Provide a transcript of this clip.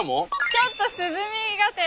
ちょっと涼みがてら。